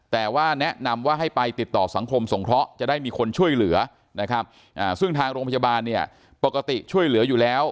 แต่ว่าแนะนำว่าให้ไปติดต่อสังคมสงเคราะห์จะได้มีคนช่วยเหลือนะครับซึ่งทางโรงพยาบาลเนี่ยปกติช่วยเหลืออยู่แล้ว